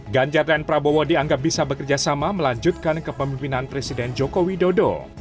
ganjar dan prabowo dianggap bisa bekerjasama melanjutkan kepemimpinan presiden joko widodo